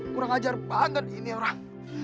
kurang ajar banget ini orang